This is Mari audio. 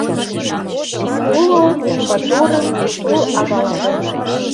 Уло Бадурым тул авалтен.